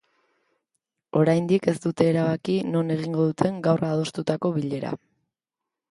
Oraindik ez dute erabaki non egingo duten gaur adostutako bilera.